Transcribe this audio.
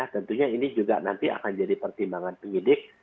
tentunya ini juga nanti akan jadi pertimbangan penyidik